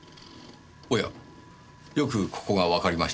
おやよくここがわかりましたね。